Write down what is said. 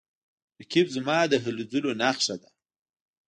رقیب زما د هلو ځلو نښه ده